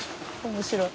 面白い。